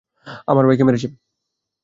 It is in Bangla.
আমার ভাইকে মেরেছে!